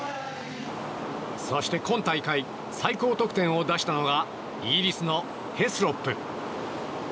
そして今大会最高得点を出したのがイギリスのヘスロップ。